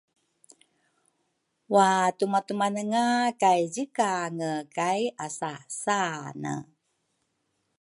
Watumatumanenga kay zikange kayasasane?